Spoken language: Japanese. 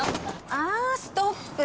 あぁストップ。